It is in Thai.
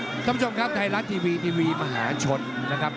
คุณผู้ชมครับไทยรัฐทีวีทีวีมหาชนนะครับ